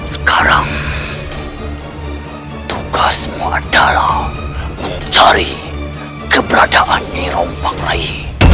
sekarang tugasmu adalah mencari keberadaan eropang rai